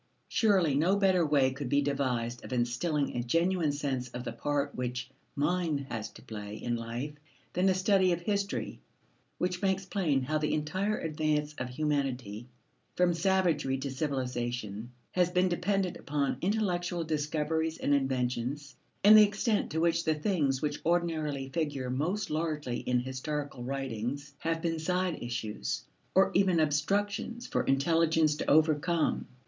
Surely no better way could be devised of instilling a genuine sense of the part which mind has to play in life than a study of history which makes plain how the entire advance of humanity from savagery to civilization has been dependent upon intellectual discoveries and inventions, and the extent to which the things which ordinarily figure most largely in historical writings have been side issues, or even obstructions for intelligence to overcome.